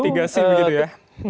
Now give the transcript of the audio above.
langkah mitigasi begitu ya